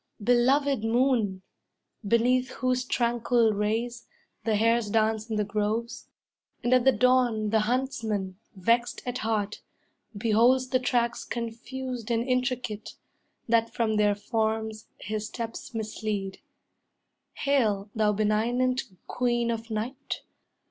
Belovèd moon, beneath whose tranquil rays The hares dance in the groves, and at the dawn The huntsman, vexed at heart, beholds the tracks Confused and intricate, that from their forms His steps mislead; hail, thou benignant Queen Of Night!